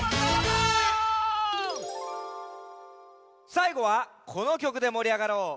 さいごはこの曲でもりあがろう。